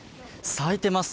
咲いています。